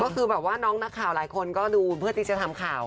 ก็คือแบบว่าน้องนักข่าวหลายคนก็ดูเพื่อที่จะทำข่าว